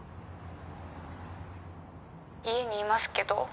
家にいますけど。